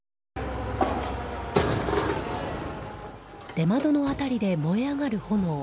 出窓の辺りで燃え上がる炎。